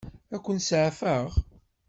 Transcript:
Ad ken-seɛfeɣ?